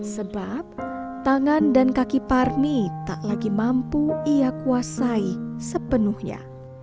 sebab tangan dan kaki parmi tak lagi mampu ia kuasai sepenuhnya